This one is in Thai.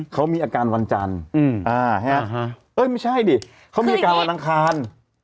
เขามีอาการวันจันทร์ไม่ใช่ดิเขามีอาการวันอังคาร